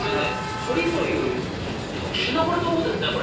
ほりという特殊な道具ですね。